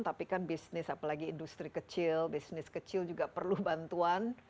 tapi kan bisnis apalagi industri kecil bisnis kecil juga perlu bantuan